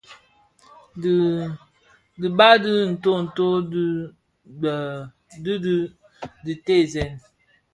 Dhibag di ntööto di dhi diteesèn.